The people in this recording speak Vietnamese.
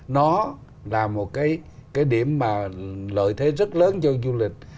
nó là một cái điểm mà lợi thế rất lớn cho du lịch